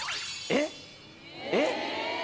えっ？